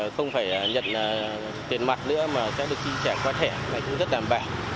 không phải nhận tiền mặt nữa mà sẽ được chi trả qua thẻ cũng rất đảm bảo